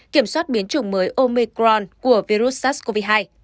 kiểm soát biến chủng mới omicron của virus sars cov hai